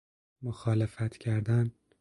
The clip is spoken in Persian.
مخالفت کردن